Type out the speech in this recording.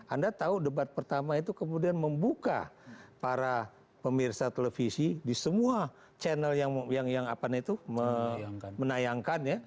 anda tahu debat pertama itu kemudian membuka para pemirsa televisi di semua channel yang menayangkan ya